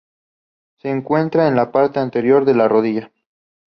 Se encuentra en la parte anterior de la rodilla.